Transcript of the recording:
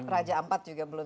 raja ampat juga belum